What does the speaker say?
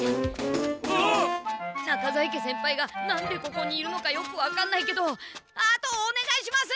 中在家先輩がなんでここにいるのかよくわかんないけどあとおねがいします！